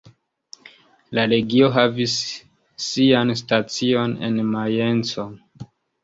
La legio havis sian stacion en Majenco.